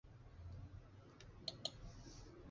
后来又历经若尔丹两任顾问。